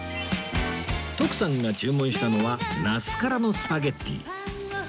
徳さんが注文したのはなす辛のスパゲティ